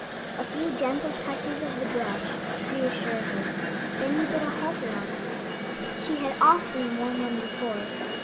A few gentle touches of the brush reassured her. Then he put a halter on her. She had often worn one before.